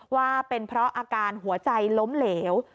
ว่าเป็นเพราะอาการหัวใจล้มเหลว